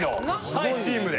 はいチームで。